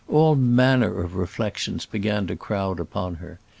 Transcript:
All manner of reflections began to crowd upon her.